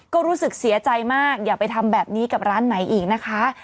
ก็รู้สึกเสียใจมากอย่าไปทำแบบนี้กับร้านไหนอีกนะคะ